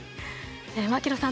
槙野さん